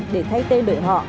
để thay tên đổi họ